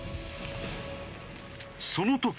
その時。